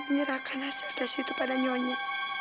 menyerahkan hasil dari situ pada nyonya